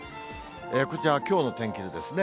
こちらはきょうの天気図ですね。